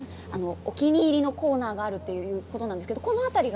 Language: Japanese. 駅長の坂川さんです、がお気に入りのコーナーがあるということなんですがこの辺りが。